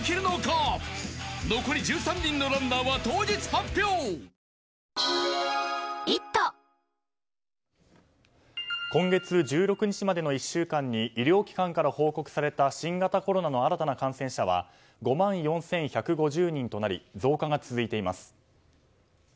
お試し容量も今月１６日までの１週間に医療機関から報告された新型コロナの新たな感染者は５万４１５０人となり増加が続いています。